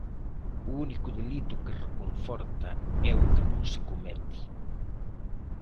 O único delito que reconforta é o que non se comete.